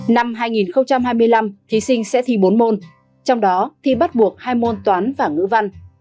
năm hai nghìn hai mươi năm thí sinh sẽ thi bốn môn trong đó thi bắt buộc hai môn toán và ngữ văn